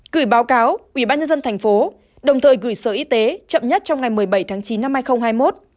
cử báo cáo ubnd thành phố đồng thời gửi sở y tế chậm nhất trong ngày một mươi bảy tháng chín năm hai nghìn hai mươi một